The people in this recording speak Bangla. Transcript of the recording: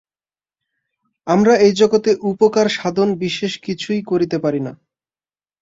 আমরা এই জগতে উপকার সাধন বিশেষ কিছুই করিতে পারি না।